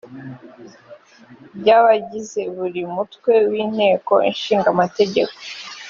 by abagize buri mutwe w inteko ishinga amategeko